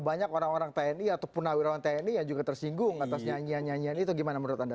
banyak orang orang tni ataupun nawirawan tni yang juga tersinggung atas nyanyian nyanyian itu gimana menurut anda